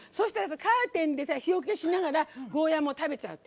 カーテンで日よけしながらゴーヤーも食べちゃう。